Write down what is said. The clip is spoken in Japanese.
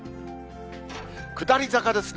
下り坂ですね。